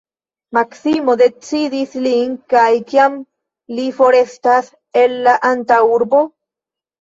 Maksimo demandis lin, de kiam li forestas el la antaŭurbo?